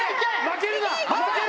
負けるな！